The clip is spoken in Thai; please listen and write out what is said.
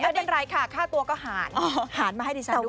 ไม่เป็นไรค่ะค่าตัวก็หารหารมาให้ดิฉันด้วย